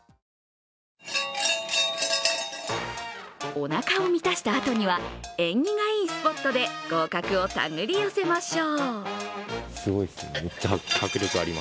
おなかを満たしたあとには縁起がいいスポットで合格を手繰り寄せましょう。